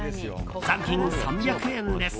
残金３００円です。